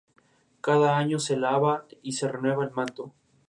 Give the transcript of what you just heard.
El "kibutz" mantiene varios cultivos experimentales para la exportación.